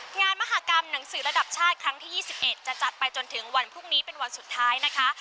งานมหากรรมหนังสือระดับชาติครั้งที่๒๑จะจัดไปจนถึงวันพรุ่งนี้เป็นวันสุดท้ายนะคะ